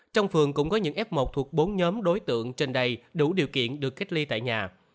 trong phường cũng có những f một thuộc bốn nhóm đối tượng trên đầy đủ điều kiện được cách ly tại nhà